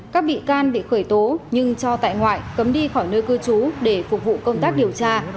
các bị can bị khởi tố nhưng cho tại ngoại cấm đi khỏi nơi cư trú để phục vụ công tác điều tra